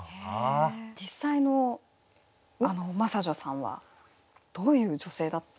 実際の真砂女さんはどういう女性だったんですか？